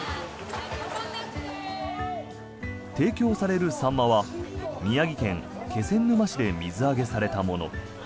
提供されるサンマは宮城県気仙沼市で水揚げされたもの。